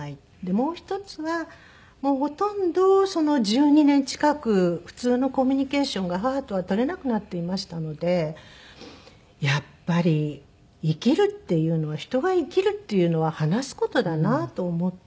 もう１つはもうほとんど１２年近く普通のコミュニケーションが母とはとれなくなっていましたのでやっぱり生きるっていうのは人が生きるっていうのは話す事だなと思って。